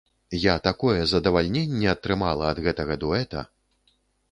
Я такое задавальненне атрымала ад гэтага дуэта!